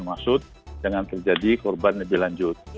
maksud jangan terjadi korban lebih lanjut